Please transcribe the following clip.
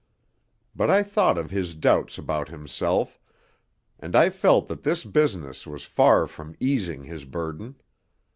But I thought of his doubts about himself, and I felt that this business was far from easing his burden.